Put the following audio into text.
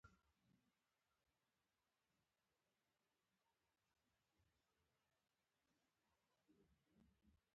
غرمه تود دی.